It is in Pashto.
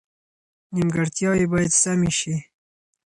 نیمګړتیاوې باید سمې شي.